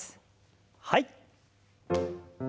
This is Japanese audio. はい。